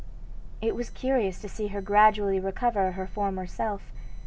It was curious to see her gradually recover her former self.